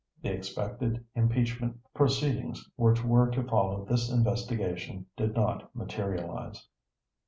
The expected impeachment proceedings which were to follow this investigation did not materialize.